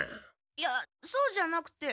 いやそうじゃなくて。